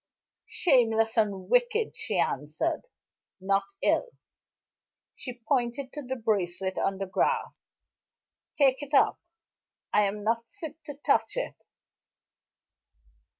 "Shameless and wicked," she answered. "Not ill." She pointed to the bracelet on the grass. "Take it up; I am not fit to touch it.